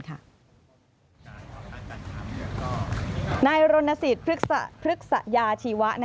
หน้าโลนะศิรพฤกษัยชีวะ